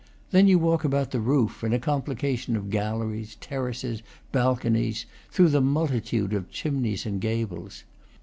Then you walk about the roof, in a complication of galleries, terraces, balconies, through the multitude of chimneys and gables.